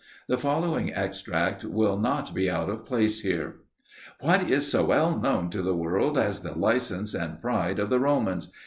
The following extract will not be out of place here: "What is so well known to the world as the license and pride of the Romans?